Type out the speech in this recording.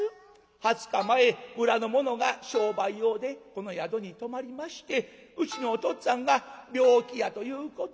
２０日前村の者が商売用でこの宿に泊まりましてうちのおとっつぁんが病気やということを知らしてくれました。